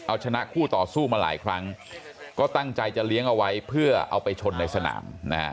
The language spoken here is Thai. เอาชนะคู่ต่อสู้มาหลายครั้งก็ตั้งใจจะเลี้ยงเอาไว้เพื่อเอาไปชนในสนามนะฮะ